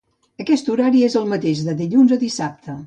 Aquest horari és el mateix de dilluns a dissabte.